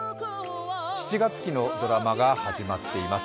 ７月期のドラマが始まっています。